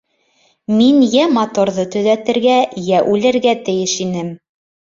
Мин йә моторҙы төҙәтергә, йә үлергә тейеш инем.